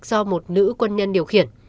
do một nữ quân nhân điều khiển